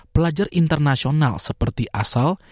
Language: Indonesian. pelajar internasional seperti asal